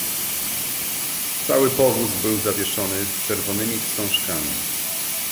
"Cały powóz był zawieszony czerwonymi wstążkami."